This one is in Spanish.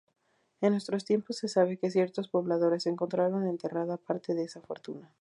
En nuestros tiempos se sabe que ciertos pobladores encontraron enterrada parte de esa fortuna.